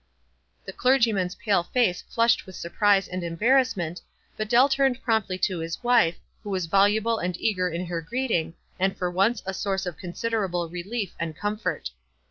The clergyman's pale face flushed with sur prise and embarrassment, but Dell turned promptly to his wife, who was voluble and eager in her greeting, and for once was a source of considerable relief and comfort.